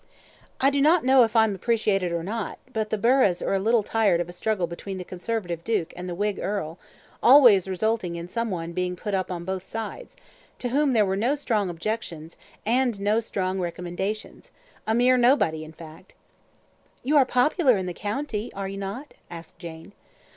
"I do not know if I am appreciated or not, but the burghs are a little tired of a struggle between the Conservative duke and the Whig earl, always resulting in some one being put up on both sides, to whom there were no strong objections, and no strong recommendations a mere nobody, in fact." "You are popular in the county, are you not?" asked Jane.